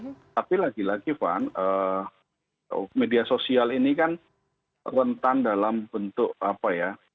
tapi lagi lagi fan media sosial ini kan rentan dalam bentuk apa ya